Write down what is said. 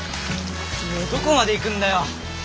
どこまで行くんだよ？